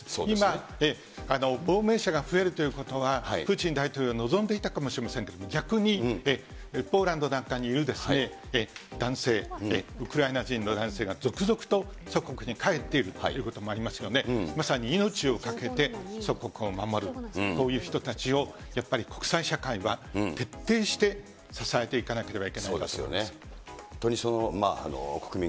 今、亡命者が増えるということは、プーチン大統領、臨んでいたかもしれませんけれども、逆にポーランドなんかにいる男性、ウクライナ人の男性が続々と祖国に帰っているということもありますので、まさに命を懸けて祖国を守る、こういう人たちをやっぱり国際社会は徹底して支えていかなければいけないんだと思います。